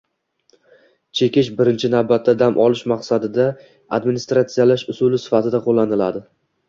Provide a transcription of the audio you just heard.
Chekish birinchi navbatda dam olish maqsadida administratsiyalash usuli sifatida qo'llaniladi.